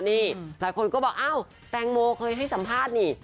นี่หลายคนก็บอกอ้าวแตงโมเคยให้สัมภาษณ์นี่